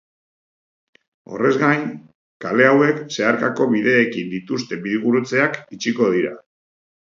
Horrez gain, kale hauek zeharkako bideekin dituzten bidegurutzeak itxiko dira.